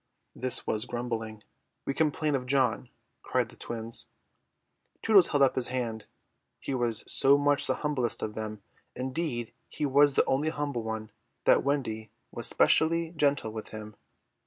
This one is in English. This was grumbling. "We complain of John," cried the twins. Tootles held up his hand. He was so much the humblest of them, indeed he was the only humble one, that Wendy was specially gentle with him.